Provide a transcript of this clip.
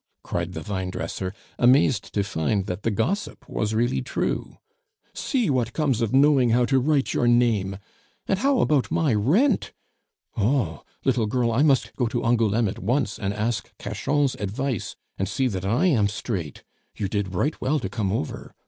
cried the vinedresser, amazed to find that the gossip was really true. "See what comes of knowing how to write your name! And how about my rent! Oh! little girl, I must go to Angouleme at once and ask Cachan's advice, and see that I am straight. You did right well to come over.